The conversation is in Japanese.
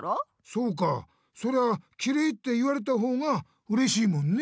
そうかそりゃきれいって言われたほうがうれしいもんね。